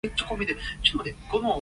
你唔好聽日先黎？